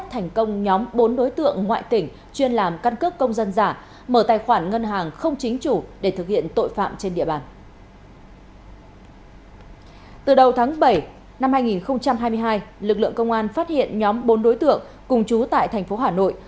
từ đầu tháng bảy năm hai nghìn hai mươi hai lực lượng công an phát hiện nhóm bốn đối tượng cùng chú tại thành phố hà nội